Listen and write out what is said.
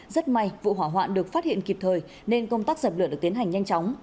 rất may vụ hỏa hoạn được phát hiện kịp thời nên công tác dập lửa được tiến hành nhanh chóng